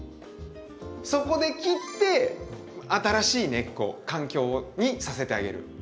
そこで切って新しい根っこ環境にさせてあげる。